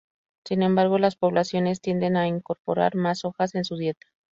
Sin embargo, las poblaciones tienden a incorporar más hojas en su dieta.